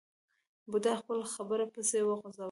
بوډا خپله خبره پسې وغځوله.